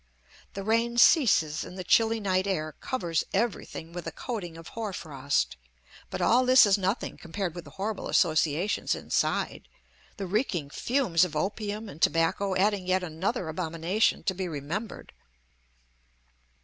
The rain ceases and the chilly night air covers everything with a coating of hoar frost, but all this is nothing compared with the horrible associations inside, the reeking fumes of opium and tobacco adding yet another abomination to be remembered.